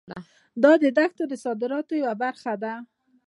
دا دښتې د صادراتو یوه برخه ده.